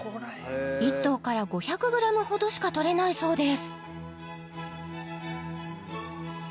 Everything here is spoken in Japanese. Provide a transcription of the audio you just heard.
１頭から５００グラムほどしかとれないそうです